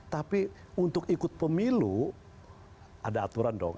tapi untuk ikut pemilu ada aturan dong